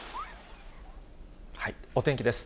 お天気です。